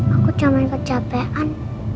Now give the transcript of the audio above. aku cuman kejabean